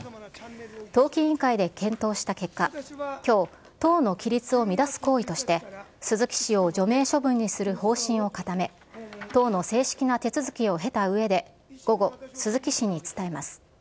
党紀委員会で検討した結果、きょう、党の規律を乱す行為として、鈴木氏を除名処分にする方針を固め、党の正式な手続きを経たうえで、午後、鈴木氏に伝えます。